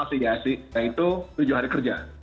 selain itu tujuh hari kerja